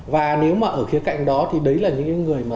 và nếu mà ở khía cạnh đó thì đấy là những người mà